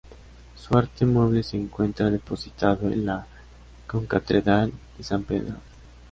Su arte mueble se encuentra depositado en la Concatedral de San Pedro.